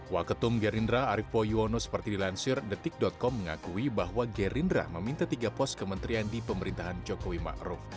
waketum gerindra arief poyuono seperti dilansir detik com mengakui bahwa gerindra meminta tiga pos kementerian di pemerintahan jokowi ⁇ maruf ⁇